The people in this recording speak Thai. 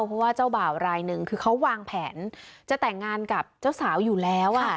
เพราะว่าเจ้าบ่าวรายหนึ่งคือเขาวางแผนจะแต่งงานกับเจ้าสาวอยู่แล้ว